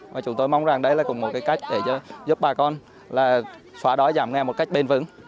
và chúng tôi mong rằng đây là một cách giúp bà con xóa đói giảm nghèo một cách bền vững